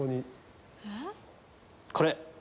これ！